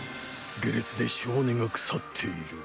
下劣で性根が腐っている。